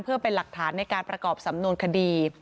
เพื่อเป็นหลักฐานในการประกอบสำนวนคดี